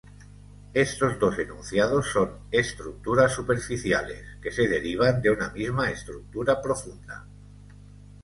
Estos dos enunciados son "estructuras superficiales" que se derivan de una misma "estructura profunda".